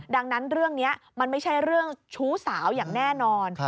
ดังนั้นเรื่องนี้มันไม่ใช่เรื่องชู้สาวอย่างแน่นอน